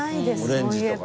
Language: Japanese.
そういえば。